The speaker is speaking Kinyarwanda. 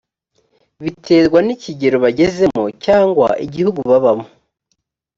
biterwa n ikigero bagezemo cyangwa igihugu babamo